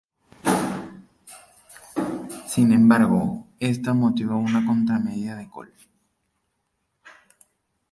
Sin embargo, esta motivó una contramedida de Kohl.